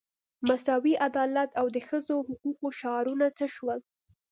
مساوي عدالت او د ښځو حقوقو شعارونه څه شول.